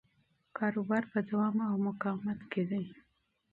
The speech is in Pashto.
کاروبار په دوام او مقاومت کې دی.